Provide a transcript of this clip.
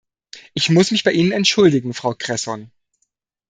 Ich muss mich bei Ihnen entschuldigen, Frau Cresson.